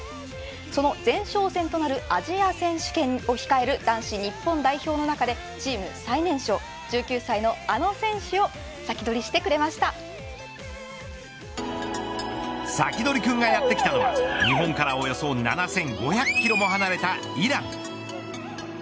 その前哨戦となるアジア選手権を控える男子日本代表の中でチーム最年少１９歳のあの選手をサキドリくんがやって来たのは日本からおよそ７５００キロも離れたイラン。